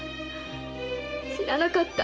知らなかった！